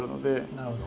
なるほど。